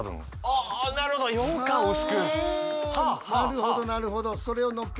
なるほどなるほど。